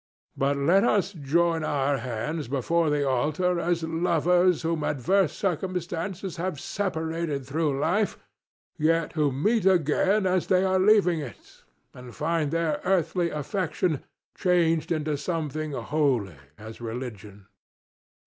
But let us join our hands before the altar as lovers whom adverse circumstances have separated through life, yet who meet again as they are leaving it and find their earthly affection changed into something holy as religion.